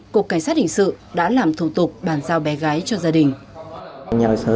cục cảnh sát hình sự đã làm thủ tục bàn giao bé gái cho gia đình